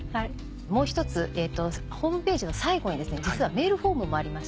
もう一つホームページの最後に実はメールフォームもありまして。